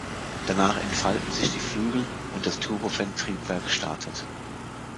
Danach entfalten sich die Flügel und das Turbofan-Triebwerk startet.